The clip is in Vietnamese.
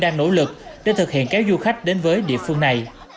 đang nỗ lực để thực hiện kéo du khách đến với địa phương này